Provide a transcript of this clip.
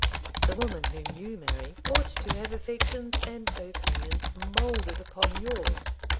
The woman whom you marry ought to have affections and opinions moulded upon yours.